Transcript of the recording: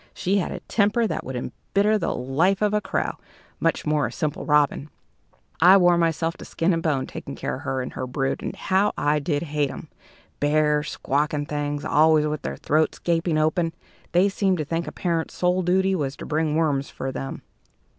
She had a temper that would embitter the life of a crow, much more a simple robin. I wore myself to skin and bone taking care of her and her brood, and how I did hate 'em! bare, squawking things, always with their throats gaping open. They seemed to think a parent's sole duty was to bring worms for them."